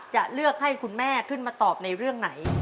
จะเลือกให้คุณแม่ขึ้นมาตอบในเรื่องไหน